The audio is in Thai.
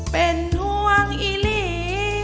เป็นห่วงอีหลี